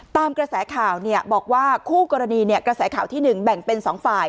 ตามกระแสข่าวบอกว่าคู่กรณีกระแสข่าวที่๑แบ่งเป็น๒ฝ่าย